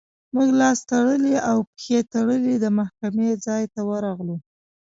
موږ لاس تړلي او پښې تړلي د محکمې ځای ته ورغلو.